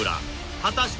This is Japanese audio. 果たして